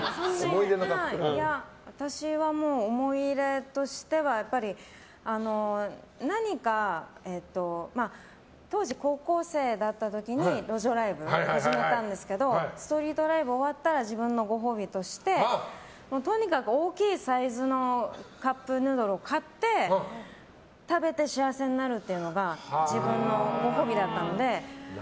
私は思い出としては当時、高校生だった時に路上ライブを始めたんですけどストリートライブ終わった時に自分のご褒美としてとにかく大きいサイズのカップヌードルを買って食べて幸せになるっていうのが自分のご褒美だったので。